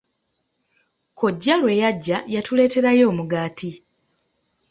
Kkojja lwe yajja yatuleeterayo omugaati.